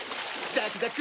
ザクザク！